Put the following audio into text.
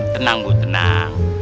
tenang bu tenang